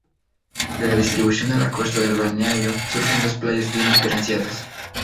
De la distribución de la costa del balneario surgen dos playas bien diferenciadas.